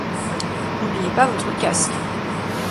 N'oubliez pas votre casque!